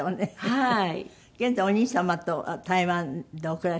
はい。